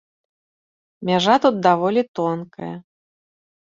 Мяжа тут даволі тонкая.